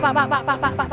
pak pak pak pak